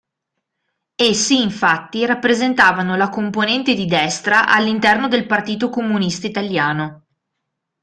Essi, infatti, rappresentavano la componente di "destra" all'interno del Partito Comunista Italiano.